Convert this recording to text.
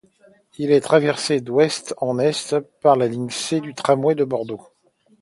Elle est traversée d'ouest en est par la ligne C du tramway de Bordeaux.